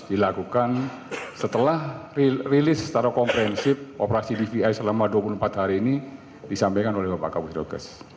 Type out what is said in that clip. dilakukan setelah rilis secara komprehensif operasi dvi selama dua puluh empat hari ini disampaikan oleh bapak kapus dokes